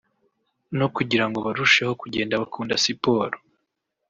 no kugira ngo barusheho kugenda bakunda siporo